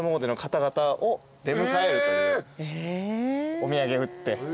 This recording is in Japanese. お土産売って。